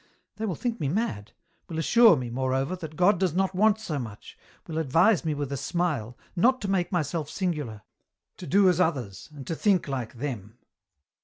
They will think me mad, will assure me, moreover, that God does not want so much, will advise me with a smile, not to make myself singular, to do as others, and to think like them.